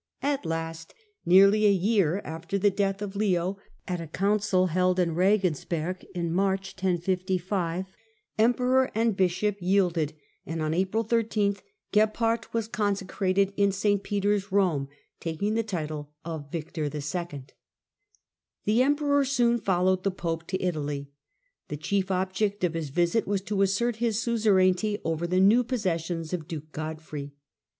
At last, nearly a year after the death of Leo, at a council held in Regensberg in March (1055) emperor and bishop yielded, and on April 13 Gebhard was consecrated in St. Peter's, Rome, taking the title of Victor II. The emperor soon followed the pope to Italy. The chief object of his visit was to assert his suzerainty over The em the uow possessious of duke Godfrey.